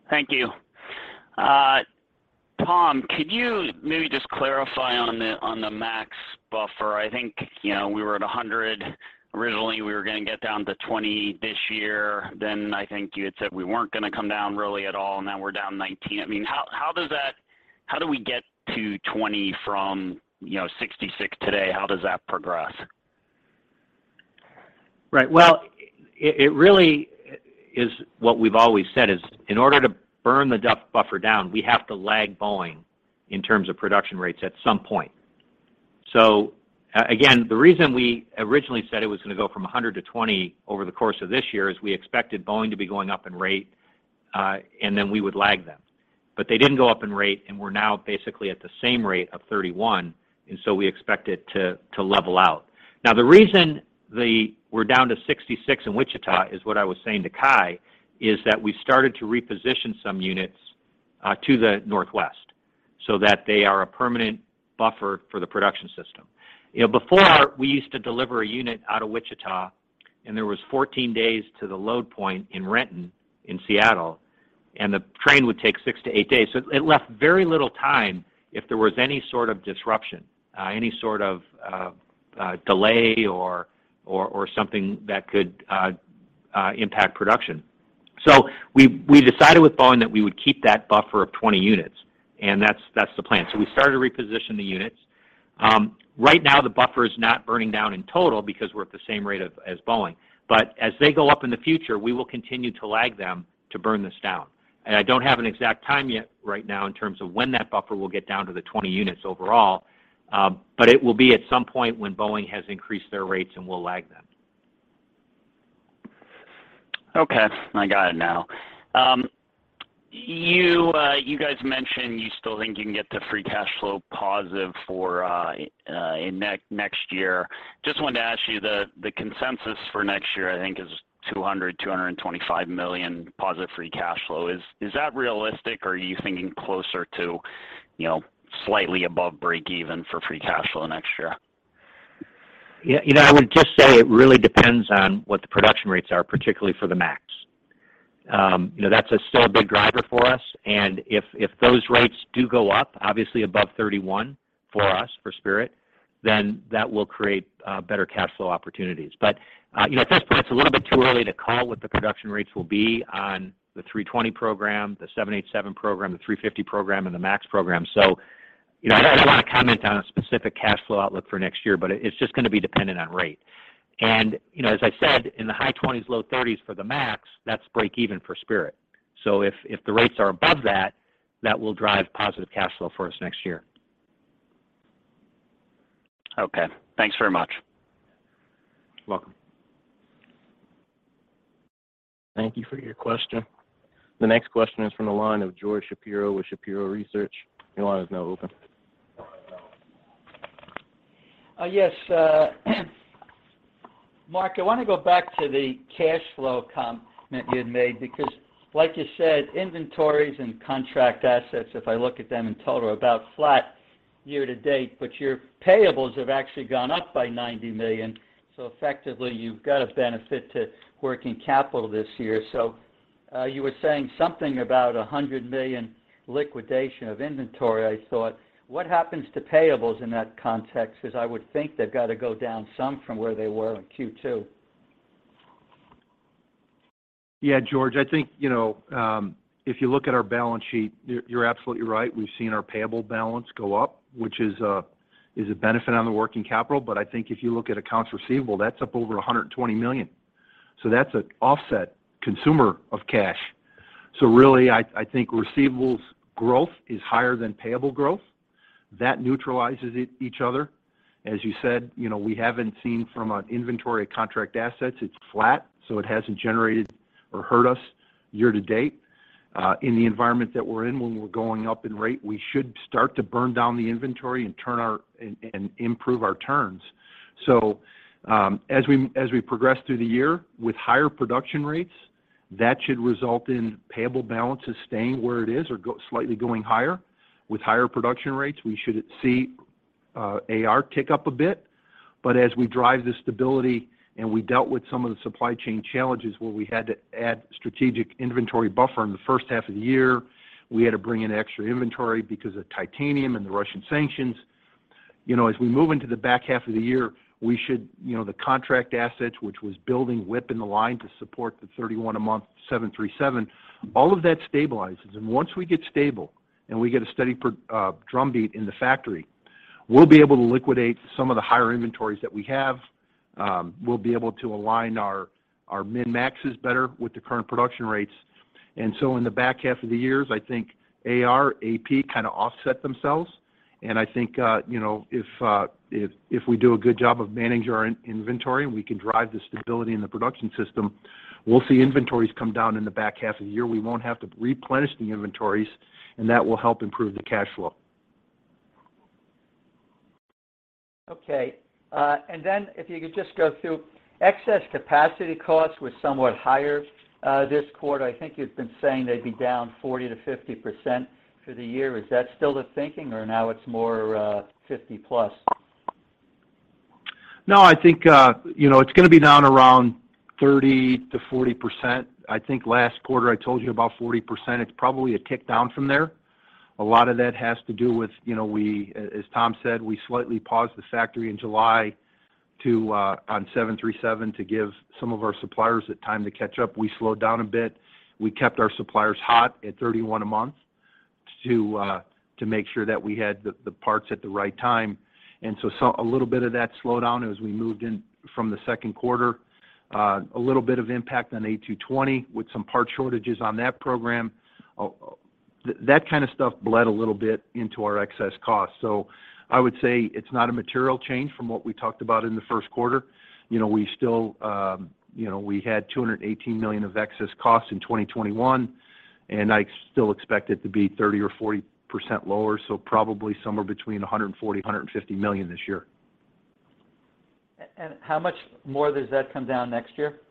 Thank you. Tom, could you maybe just clarify on the MAX buffer? I think, you know, we were at 100% originally, we were gonna get down to 20% this year. Then I think you had said we weren't gonna come down really at all, and now we're down 19%. I mean, how does that, how do we get to 20% from, you know, 66% today? How does that progress? Right. Well, it really is what we've always said is in order to burn the debt buffer down, we have to lag Boeing in terms of production rates at some point. Again, the reason we originally said it was gonna go from 100% to 20% over the course of this year is we expected Boeing to be going up in rate, and then we would lag them. They didn't go up in rate, and we're now basically at the same rate of 31%, so we expect it to level out. Now, the reason we're down to 66% in Wichita is what I was saying to Kai, is that we started to reposition some units to the Northwest so that they are a permanent buffer for the production system. You know, before we used to deliver a unit out of Wichita, and there was 14 days to the load point in Renton in Seattle, and the train would take six to eight days. It left very little time if there was any sort of disruption, any sort of delay or something that could impact production. We decided with Boeing that we would keep that buffer of 20 units, and that's the plan. We started to reposition the units. Right now the buffer is not burning down in total because we're at the same rate as Boeing. As they go up in the future, we will continue to lag them to burn this down. I don't have an exact time yet right now in terms of when that buffer will get down to the 20 units overall, but it will be at some point when Boeing has increased their rates and we'll lag them. Okay. I got it now. You guys mentioned you still think you can get to free cash flow positive for in next year. Just wanted to ask you, the consensus for next year, I think is $225 million positive free cash flow. Is that realistic or are you thinking closer to, you know, slightly above break even for free cash flow next year? Yeah. You know, I would just say it really depends on what the production rates are, particularly for the MAX. You know, that's still a big driver for us, and if those rates do go up obviously above 31 for us, for Spirit, then that will create better cash flow opportunities. You know, at this point it's a little bit too early to call what the production rates will be on the A320 program, the 787 program, the A350 program and the MAX program. You know, I don't wanna comment on a specific cash flow outlook for next year, but it's just gonna be dependent on rate. You know, as I said, in the high 20s, low 30s for the MAX, that's break even for Spirit. If the rates are above that will drive positive cash flow for us next year. Okay. Thanks very much. You're welcome. Thank you for your question. The next question is from the line of George Shapiro with Shapiro Research. Your line is now open. Yes. Mark, I wanna go back to the cash flow comment you had made because like you said, inventories and contract assets, if I look at them in total, are about flat year to date, but your payables have actually gone up by $90 million. Effectively you've got a benefit to working capital this year. You were saying something about a $100 million liquidation of inventory, I thought. What happens to payables in that context? 'Cause I would think they've got to go down some from where they were in Q2. Yeah, George, I think, you know, if you look at our balance sheet, you're absolutely right. We've seen our payable balance go up, which is a benefit on the working capital. I think if you look at accounts receivable, that's up over $120 million. That's an offset consumer of cash. Really I think receivables growth is higher than payable growth. That neutralizes each other. As you said, you know, we haven't seen from an inventory and contract assets, it's flat, so it hasn't generated or hurt us year to date. In the environment that we're in, when we're going up in rate, we should start to burn down the inventory and improve our turns. As we progress through the year with higher production rates, that should result in payable balances staying where it is or slightly going higher. With higher production rates, we should see AR tick up a bit. But as we drive the stability, and we dealt with some of the supply chain challenges where we had to add strategic inventory buffer in the first half of the year, we had to bring in extra inventory because of titanium and the Russian sanctions. You know, as we move into the back half of the year, we should. You know, the contract assets, which was building WIP in the line to support the 31 a month 737, all of that stabilizes. Once we get stable and we get a steady drum beat in the factory, we'll be able to liquidate some of the higher inventories that we have. We'll be able to align our min-MAXes better with the current production rates. In the back half of the years, I think AR, AP kind of offset themselves. I think, you know, if we do a good job of managing our inventory and we can drive the stability in the production system, we'll see inventories come down in the back half of the year. We won't have to replenish the inventories, and that will help improve the cash flow. Okay. If you could just go through excess capacity costs were somewhat higher this quarter. I think you've been saying they'd be down 40%-50% for the year. Is that still the thinking, or now it's more 50%+? No, I think, you know, it's gonna be down around 30%-40%. I think last quarter I told you about 40%. It's probably a tick down from there. A lot of that has to do with, you know, as Tom said, we slightly paused the factory in July on 737 to give some of our suppliers the time to catch up. We slowed down a bit. We kept our suppliers hot at 31 a month to make sure that we had the parts at the right time. A little bit of that slowdown as we moved in from the second quarter. A little bit of impact on A220 with some part shortages on that program. That kind of stuff bled a little bit into our excess costs. I would say it's not a material change from what we talked about in the first quarter. You know, we still, you know, we had $218 million of excess costs in 2021, and I still expect it to be 30% or 40% lower, so probably somewhere between $140 million and $150 million this year. How much more does that come down next year?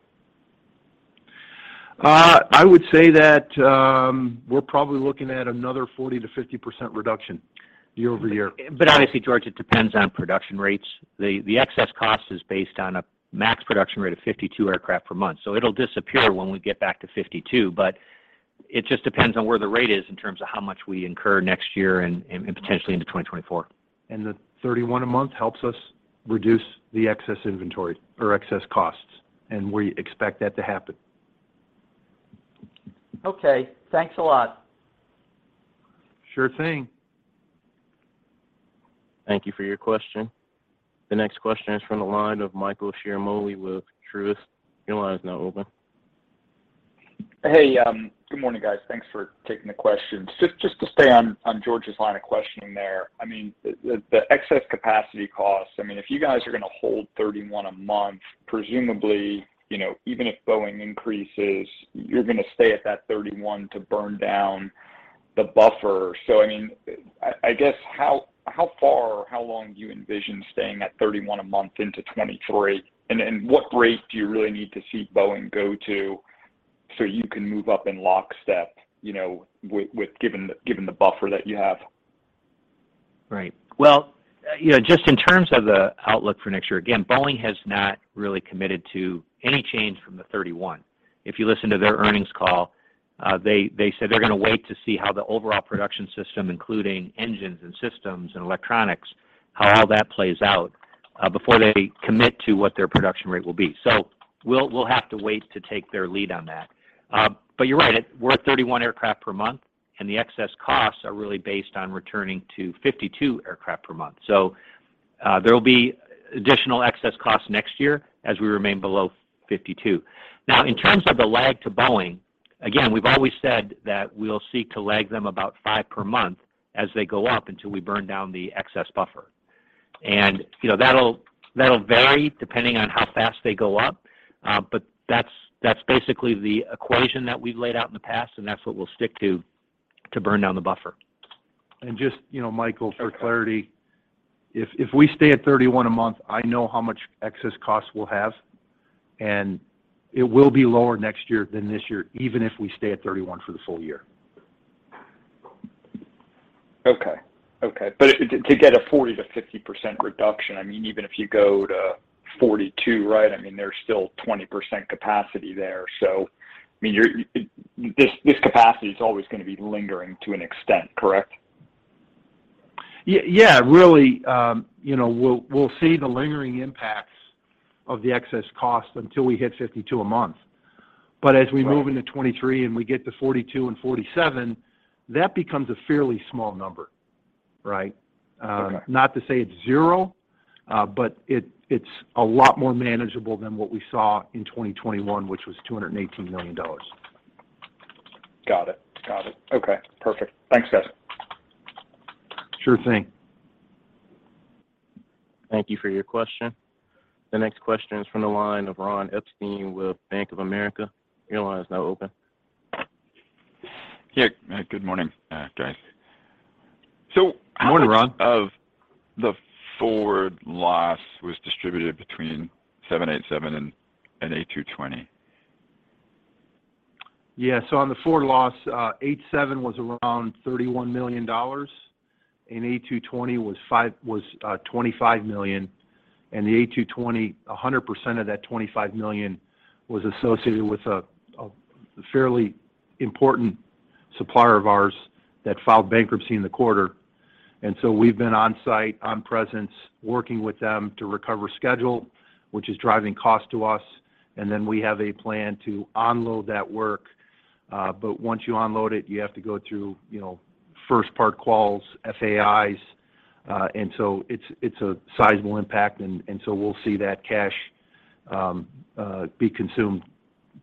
I would say that, we're probably looking at another 40%-50% reduction year-over-year. Obviously, George, it depends on production rates. The excess cost is based on a MAX production rate of 52 aircraft per month. It'll disappear when we get back to 52. It just depends on where the rate is in terms of how much we incur next year and, potentially into 2024. The 31 a month helps us reduce the excess inventory or excess costs, and we expect that to happen. Okay. Thanks a lot. Sure thing. Thank you for your question. The next question is from the line of Michael Ciarmoli with Truist. Your line is now open. Hey, good morning, guys. Thanks for taking the questions. Just to stay on George's line of questioning there, I mean, the excess capacity costs, I mean, if you guys are gonna hold 31 a month, presumably, you know, even if Boeing increases, you're gonna stay at that 31 to burn down the buffer. I mean, I guess how far or how long do you envision staying at 31 a month into 2023? And what rate do you really need to see Boeing go to so you can move up in lockstep, you know, with given the buffer that you have? Right. Well, you know, just in terms of the outlook for next year, again, Boeing has not really committed to any change from the 31. If you listen to their earnings call, they said they're gonna wait to see how the overall production system, including engines and systems and electronics, how all that plays out, before they commit to what their production rate will be. We'll have to wait to take their lead on that. You're right, we're at 31 aircraft per month, and the excess costs are really based on returning to 52 aircraft per month. There will be additional excess costs next year as we remain below 52. Now, in terms of the lag to Boeing, again, we've always said that we'll seek to lag them about five per month as they go up until we burn down the excess buffer. You know, that'll vary depending on how fast they go up. But that's basically the equation that we've laid out in the past, and that's what we'll stick to to burn down the buffer. Just, you know, Michael- Okay. For clarity, if we stay at 31 a month, I know how much excess costs we'll have, and it will be lower next year than this year, even if we stay at 31 for the full year. Okay. To get a 40%-50% reduction, I mean, even if you go to 42%, right? I mean, there's still 20% capacity there. I mean, you're this capacity is always gonna be lingering to an extent, correct? Yeah, really, you know, we'll see the lingering impacts of the excess cost until we hit 52% a month. Right. As we move into 2023 and we get to 42% and 47%, that becomes a fairly small number, right? Okay. Not to say it's zero, but it's a lot more manageable than what we saw in 2021, which was $218 million. Got it. Okay. Perfect. Thanks, guys. Sure thing. Thank you for your question. The next question is from the line of Ronald Epstein with Bank of America. Your line is now open. Yeah. Good morning, guys. How much- Morning, Ron. Of the forward loss was distributed between 787 and A220? Yeah. On the forward loss, 787 was around $31 million, and A220 was $25 million. The A220, 100% of that $25 million was associated with a fairly important supplier of ours that filed bankruptcy in the quarter. We've been on-site presence, working with them to recover schedule, which is driving cost to us. We have a plan to unload that work. But once you unload it, you have to go through, you know, first part quals, FAIs. It's a sizable impact. We'll see that cash be consumed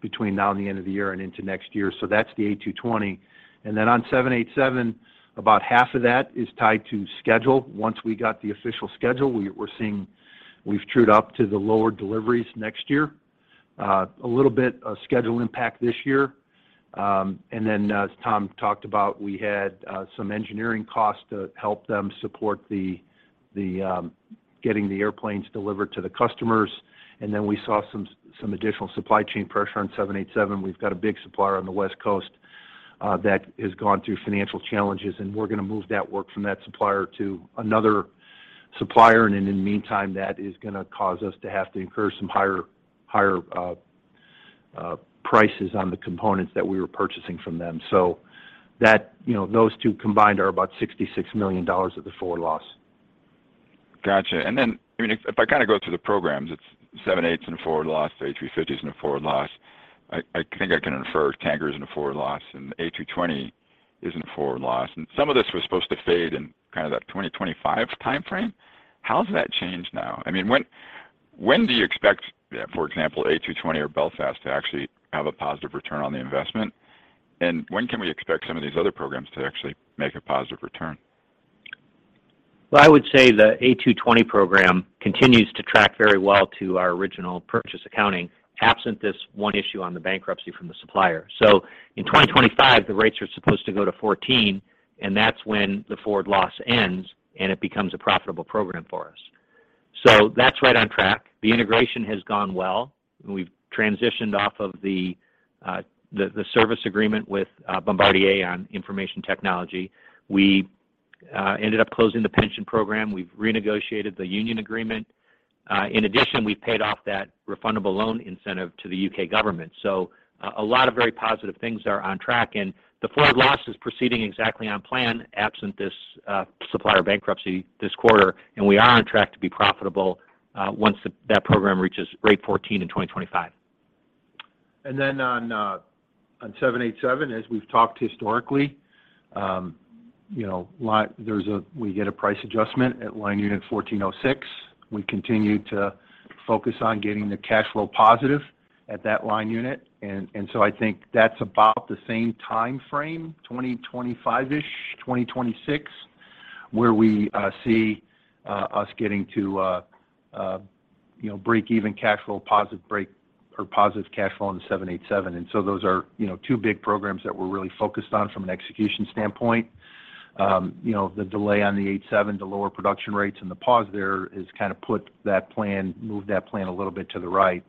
between now and the end of the year and into next year. That's the A220. On 787, about half of that is tied to schedule. Once we got the official schedule, we've trued up to the lower deliveries next year, a little bit of schedule impact this year. As Tom talked about, we had some engineering costs to help them support getting the airplanes delivered to the customers. We saw some additional supply chain pressure on 787. We've got a big supplier on the West Coast that has gone through financial challenges, and we're gonna move that work from that supplier to another supplier. In the meantime, that is gonna cause us to have to incur some higher prices on the components that we were purchasing from them. You know, those two combined are about $66 million of the forward loss. Got you. Then, I mean, if I kind of go through the programs, it's 787s in a forward loss, the A350 is in a forward loss. I think I can infer tanker is in a forward loss, and the A220 is in a forward loss. Some of this was supposed to fade in kind of that 2025 timeframe. How has that changed now? I mean, when do you expect, for example, A220 or Belfast to actually have a positive return on the investment? When can we expect some of these other programs to actually make a positive return? I would say the A220 program continues to track very well to our original purchase accounting, absent this one issue on the bankruptcy from the supplier. In 2025, the rates are supposed to go to 14, and that's when the forward loss ends, and it becomes a profitable program for us. That's right on track. The integration has gone well. We've transitioned off of the service agreement with Bombardier on information technology. We ended up closing the pension program. We've renegotiated the union agreement. In addition, we paid off that refundable loan incentive to the U.K. government. A lot of very positive things are on track. The forward loss is proceeding exactly on plan, absent this supplier bankruptcy this quarter, and we are on track to be profitable, once that program reaches rate 14% in 2025. On 787, as we've talked historically, you know, we get a price adjustment at line unit 1406. We continue to focus on getting the cash flow positive at that line unit. I think that's about the same timeframe, 2025-ish, 2026, where we see us getting to, you know, break-even or positive cash flow in the 787. Those are, you know, two big programs that we're really focused on from an execution standpoint. The delay on the 737 to lower production rates and the pause there has kind of moved that plan a little bit to the right.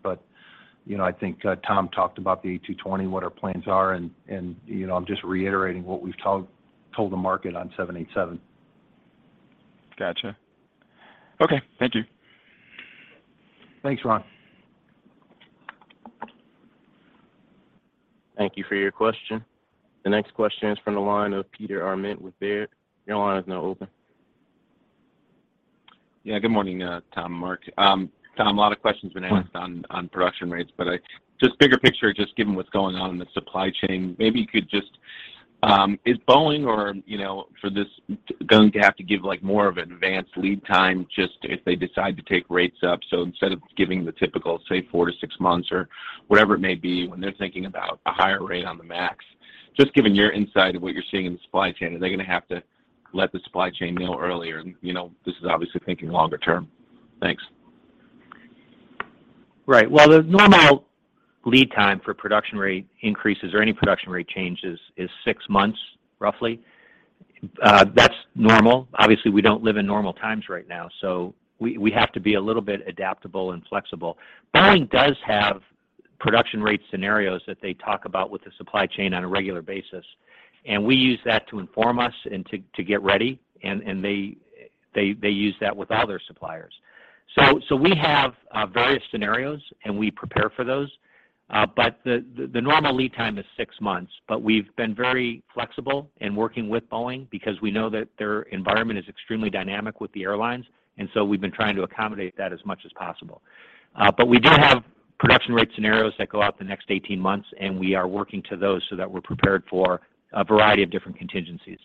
You know, I think Tom talked about the A220, what our plans are and you know, I'm just reiterating what we've told the market on 787. Got you. Okay. Thank you. Thanks, Ron. Thank you for your question. The next question is from the line of Peter Arment with Baird. Your line is now open. Yeah. Good morning, Tom and Mark. Tom, a lot of questions have been asked on production rates, but just bigger picture, just given what's going on in the supply chain, maybe you could just... Is Boeing or, you know, for this going to have to give, like, more of an advanced lead time just if they decide to take rates up, so instead of giving the typical, say, four to six months or whatever it may be when they're thinking about a higher rate on the MAX? Just given your insight of what you're seeing in the supply chain, are they gonna have to let the supply chain know earlier? You know, this is obviously thinking longer term. Thanks. Right. Well, the normal lead time for production rate increases or any production rate changes is six months, roughly. That's normal. Obviously, we don't live in normal times right now, so we have to be a little bit adaptable and flexible. Boeing does have production rate scenarios that they talk about with the supply chain on a regular basis, and we use that to inform us and to get ready, and they use that with other suppliers. So we have various scenarios, and we prepare for those. But the normal lead time is six months, but we've been very flexible in working with Boeing because we know that their environment is extremely dynamic with the airlines. We've been trying to accommodate that as much as possible. We do have production rate scenarios that go out the next 18 months, and we are working to those so that we're prepared for a variety of different contingencies.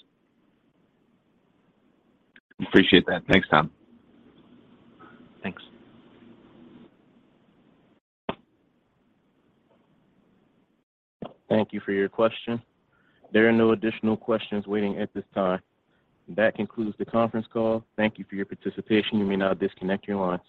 Appreciate that. Thanks, Tom. Thanks. Thank you for your question. There are no additional questions waiting at this time. That concludes the conference call. Thank you for your participation. You may now disconnect your lines.